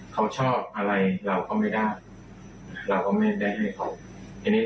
เราก็จะเริ่มดีขึ้นดีขึ้นดีขึ้นน่ะ